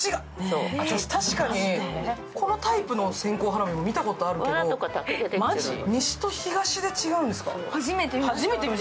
確かにこのタイプの線香花火も見たことあるけど、西と東で違うんですか。